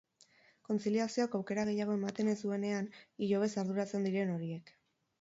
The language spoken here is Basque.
Kontziliazioak aukera gehiago ematen ez duenean, ilobez arduratzen diren horiek.